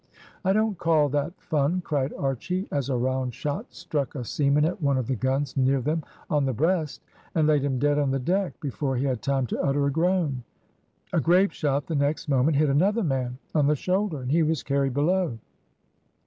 "I don't call that fun," cried Archy, as a round shot struck a seaman at one of the guns near them on the breast, and laid him dead on the deck, before he had time to utter a groan. A grape shot, the next moment, hit another man on the shoulder, and he was carried below.